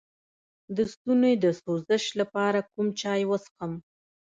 د ستوني د سوزش لپاره کوم چای وڅښم؟